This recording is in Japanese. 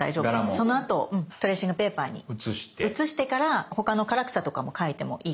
そのあとトレーシングペーパーに写してから他の唐草とかも描いてもいいかと思います。